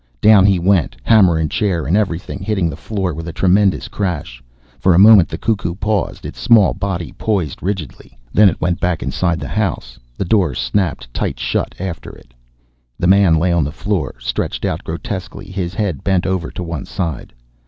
Down he went, hammer and chair and everything, hitting the floor with a tremendous crash. For a moment the cuckoo paused, its small body poised rigidly. Then it went back inside its house. The door snapped tight shut after it. The man lay on the floor, stretched out grotesquely, his head bent over to one side.